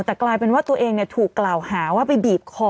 แต่กลายเป็นว่าตัวเองถูกกล่าวหาว่าไปบีบคอ